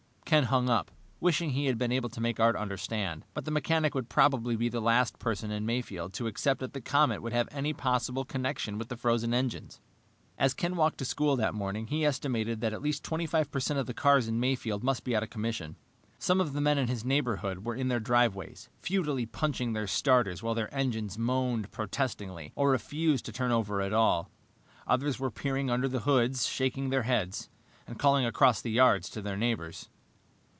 Ken hung up, wishing he had been able to make Art understand, but the mechanic would probably be the last person in Mayfield to accept that the comet could have any possible connection with the frozen engines. As Ken walked to school that morning he estimated that at least 25 percent of the cars in Mayfield must be out of commission. Some of the men in his neighborhood were in their driveways futilely punching their starters while their engines moaned protestingly or refused to turn over at all. Others were peering under the hoods, shaking their heads, and calling across the yards to their neighbors.